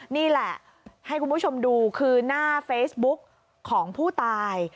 นี่แหละให้คุณผู้ชมดูคือหน้าเฟซบุ๊กของผู้ตาย